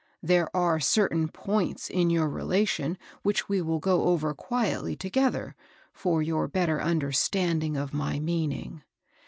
There are certain points in your relation which we will go over quietly together, for your better understanding of my meaning.